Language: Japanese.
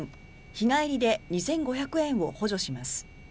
日帰りで２５００円を補助します。